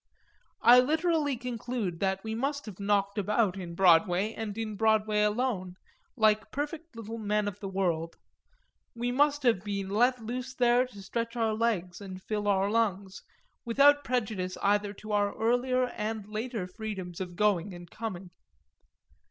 I literally conclude that we must have knocked about in Broadway, and in Broadway alone, like perfect little men of the world; we must have been let loose there to stretch our legs and fill our lungs, without prejudice either to our earlier and later freedoms of going and coming.